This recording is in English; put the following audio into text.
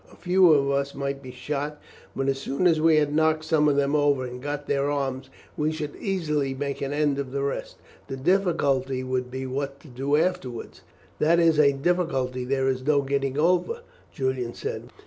"A few of us might be shot, but as soon as we had knocked some of them over and got their arms, we should easily make an end of the rest. The difficulty would be what to do afterwards." "That is a difficulty there is no getting over," Julian said.